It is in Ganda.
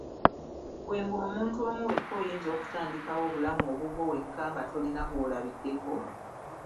Ggwe ng'omuntu omu wekka oyinza okutandikawo obulamu obubwo wekka nga tolina gw'olabiddeko ?